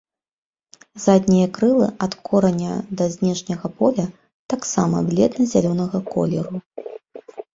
Заднія крылы ад кораня да знешняга поля таксама бледна-зялёнага колеру.